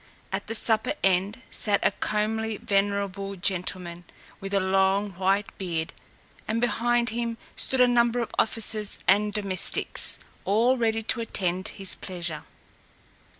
At the upper end sat a comely venerable gentleman, with a long white beard, and behind him stood a number of officers and domestics, all ready to attend his pleasure.